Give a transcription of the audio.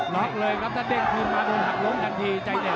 ล็อกเลยครับถ้าเด้งคืนมาโดนหักล้มทันทีใจเย็น